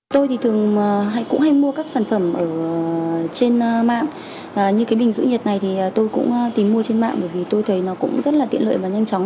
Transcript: tôi thì thường cũng hay mua các sản phẩm trên mạng như cái bình giữ nhiệt này thì tôi cũng tìm mua trên mạng bởi vì tôi thấy nó cũng rất là tiện lợi và nhanh chóng